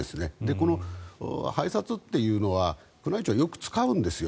この拝察というのは宮内庁、よく使うんですよ。